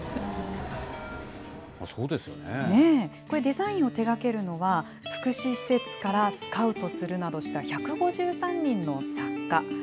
これ、デザインを手がけるのは、福祉施設からスカウトするなどした１５３人の作家。